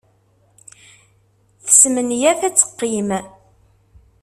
Tesmenyaf ad teqqim.